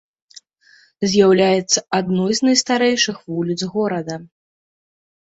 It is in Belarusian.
З'яўляецца адной з найстарэйшых вуліц горада.